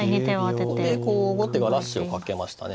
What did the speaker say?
ここで後手がラッシュをかけましたね。